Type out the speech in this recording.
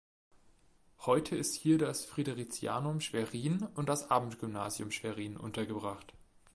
Heute ist hier das Fridericianum Schwerin und das Abendgymnasium Schwerin untergebracht.